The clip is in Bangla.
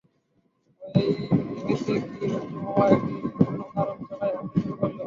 হয়েছে কি, রঞ্জু মামা একদিন কোনো কারণ ছাড়াই হাঁটতে শুরু করলেন।